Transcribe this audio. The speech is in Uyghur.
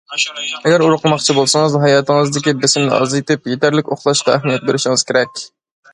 ئەگەر ئورۇقلىماقچى بولسىڭىز، ھاياتىڭىزدىكى بېسىمنى ئازايتىپ، يېتەرلىك ئۇخلاشقا ئەھمىيەت بېرىشىڭىز كېرەك.